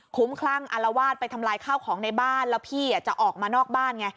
คุ้มคลั่งอารวาสไปทำลายข้าวของในบ้านแล้วพี่จะออกมานอกบ้านไง